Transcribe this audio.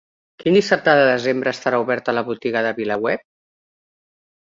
Quins dissabtes de desembre estarà oberta la Botiga de VilaWeb?